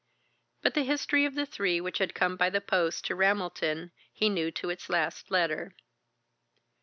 But the history of the three which had come by the post to Ramelton he knew to its last letter.